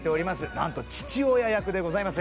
なんと父親役でございます。